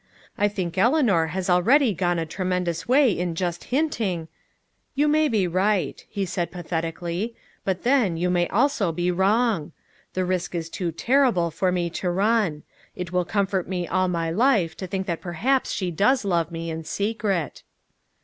I think Eleanor has already gone a tremendous way in just hinting " "You may be right," he said pathetically; "but then you may also be wrong. The risk is too terrible for me to run. It will comfort me all my life to think that perhaps she does love me in secret!"